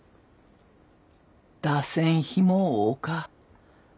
出せん日も多か。